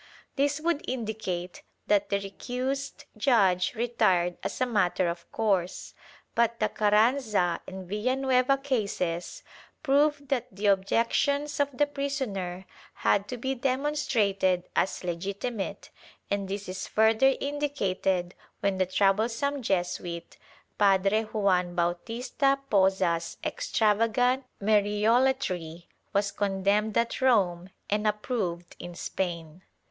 ^ This would indicate that the recused judge retired as a matter of course, but the Carranza and Villa nueva cases prove that the objections of the prisoner had to be demonstrated as legitimate and this is further indicated when the troublesome Jesuit, Padre Juan Bautista Poza's extravagant Mariolatry was condemned at Rome and approved in Spain.